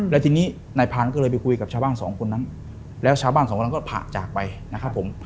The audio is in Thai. แล้วทีนี้นายพันธุ์ก็เลยไปคุยกับชาวบ้านสองคนนั้นแล้วชาวบ้านสองคนนั้นก็ผ่าจากไปนะครับผม